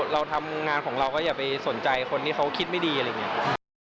เราทำงานของเราก็อย่าไปสนใจคนที่เขาคิดไม่ดีอะไรอย่างนี้